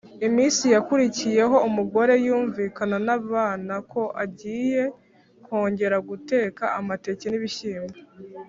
Iminsi yakurikiyeho umugore yumvikana n’abana ko agiye kwongera guteka amateke n’ibishyimbo